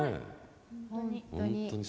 本当に。